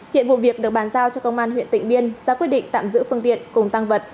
hiện vụ việc được bàn giao cho công an huyện tịnh biên ra quyết định tạm giữ phương tiện cùng tăng vật